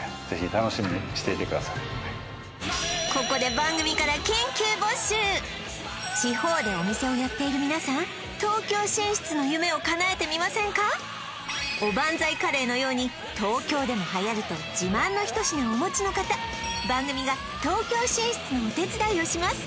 ここで番組からおばんざいカレーのように東京でもはやると自慢のひと品をお持ちの方番組が東京進出のお手伝いをします